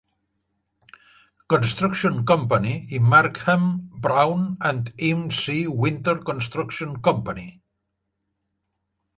Construction Company i Markham, Brown and M. C. Winter Construction Company.